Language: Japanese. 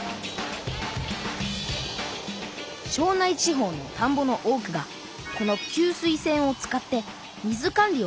庄内地方のたんぼの多くがこの給水栓を使って水管理をしています。